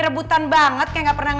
kalo makanya deneran